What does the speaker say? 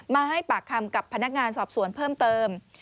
มาให้ปากคำกับพนักงานสอบสวนเพิ่มเติม